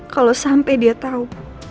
kalo sampe dia tau